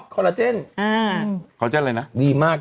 คอลลาเจนอาหือคอลลาเจนอะไรน่ะดีมาก